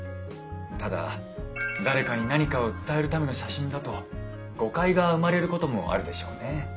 ただ誰かに何かを伝えるための写真だと誤解が生まれることもあるでしょうね。